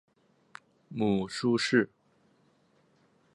母舒氏。